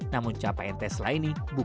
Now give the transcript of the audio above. namun capaian tesla ini tidak terlalu besar